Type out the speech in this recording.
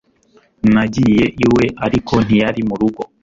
Nagiye iwe ariko ntiyari mu rugo